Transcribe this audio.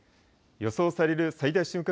予想される最大瞬間